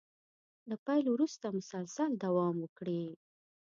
له پيل وروسته مسلسل دوام وکړي.